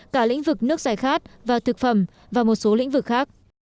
cả lĩnh vực nước giải khát và thực phẩm và một số lĩnh vực khác